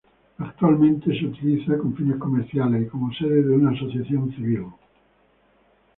Actualmente es utilizada con fines comerciales y como sede de una asociación civil.